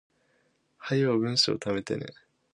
早う文章溜めてね